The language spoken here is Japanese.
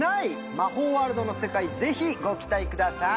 魔法ワールドの世界ぜひご期待ください